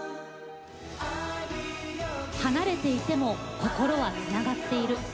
離れていても心はつながっている。